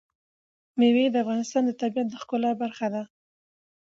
مېوې د افغانستان د طبیعت د ښکلا برخه ده.